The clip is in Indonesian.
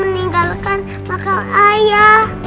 meninggalkan makam ayah